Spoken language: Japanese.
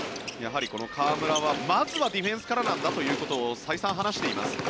河村はまずはディフェンスからなんだということを再三話しています。